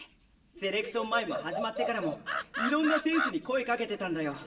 セレクション前も始まってからもいろんな選手に声かけてたんだよ。